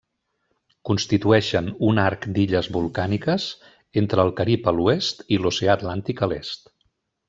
Constitueixen un arc d'illes volcàniques entre el Carib a l'oest i l'Oceà Atlàntic a l'est.